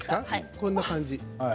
こんな感じ。